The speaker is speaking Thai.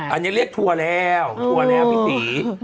อันนี้เรียกทัวร์แล้วทัวร์แล้วพี่ศรี